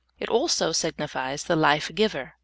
It also signifies the life giver.